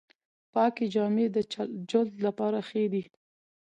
پاکې جامې د جلد لپاره ښې دي۔